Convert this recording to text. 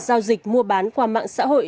giao dịch mua bán qua mạng xã hội